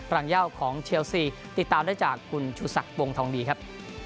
รางย่าวของเชลซีติดตามได้จากคุณชูศักดิ์วงทองดีครับ